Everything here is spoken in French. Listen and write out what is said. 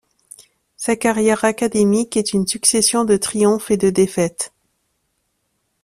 Sa carrière académique est une succession de triomphes et de défaites.